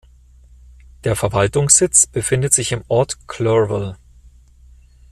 Der Verwaltungssitz befindet sich im Ort Clerval.